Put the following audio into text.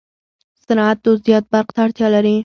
صنعت و زیات برق ته اړتیا لري.